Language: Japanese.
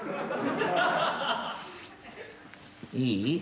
いい？